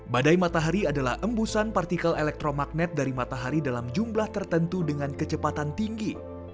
badai matahari adalah embusan partikel elektromagnet dari matahari dalam jumlah tertentu dengan kecepatan tinggi